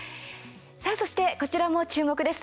さあ、そしてこちらも注目です。